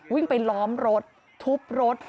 วิ่งไปล้อมรถทุบรถ